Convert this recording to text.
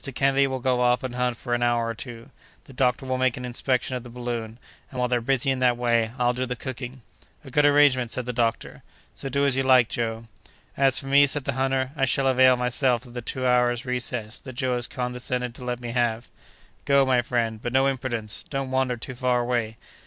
Kennedy will go off and hunt for an hour or two; the doctor will make an inspection of the balloon, and, while they're busy in that way, I'll do the cooking." "A good arrangement!" said the doctor; "so do as you like, Joe." "As for me," said the hunter, "I shall avail myself of the two hours' recess that Joe has condescended to let me have." "Go, my friend, but no imprudence! Don't wander too far away."